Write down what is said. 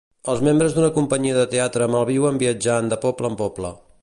Els membres d'una companyia de teatre malviuen viatjant de poble en poble.